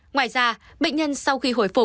ngoài ra bệnh nhân sau khi khỏi bệnh